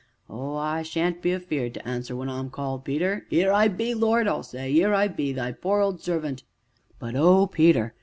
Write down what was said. Oh! I shan't be afeared to answer when I'm called, Peter. ''Ere I be, Lord!' I'll say. ''Ere I be, thy poor old servant' but oh, Peter!